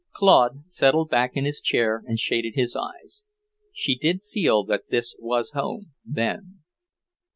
Claude settled back in his chair and shaded his eyes. She did feel that this was home, then.